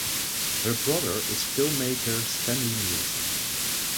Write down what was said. Her brother is filmmaker Stanley Nelson.